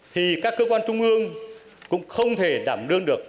thì các cơ quan trung ương cũng không thể đảm đương được